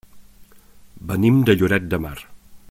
Venim de Lloret de Mar.